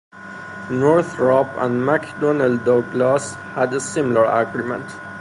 Northrop and McDonnell Douglas had a similar agreement.